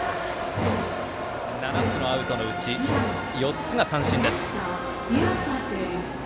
７つのアウトのうち４つが三振。